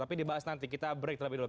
tapi dibahas nanti kita break terlebih dahulu